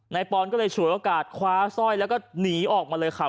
ปอนก็เลยฉวยโอกาสคว้าสร้อยแล้วก็หนีออกมาเลยค่ะ